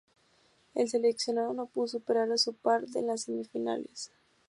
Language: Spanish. El seleccionado no pudo superar a su par de en las semifinales.